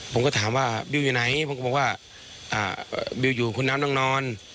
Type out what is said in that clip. ผมก็ถามว่าบิวอยู่ไหนผมก็บอกว่าบิวอยู่คุณน้ำต้องนอน